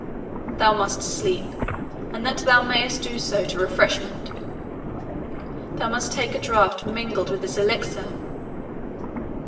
Thou must sleep; and that thou mayest do so to refreshment, thou must take a draught mingled with this elixir."